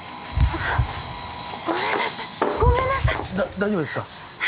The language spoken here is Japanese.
大丈夫ですか？